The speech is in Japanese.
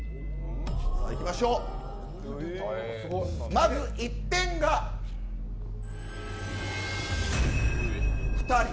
まず１点が２人。